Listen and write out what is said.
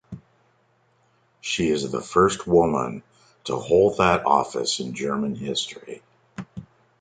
She is the first woman to hold that office in German history.